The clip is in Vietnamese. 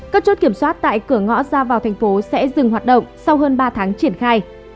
các chốt kiểm soát tại cửa ngõ ra vào thành phố sẽ dừng hoạt động sau hơn ba tháng triển khai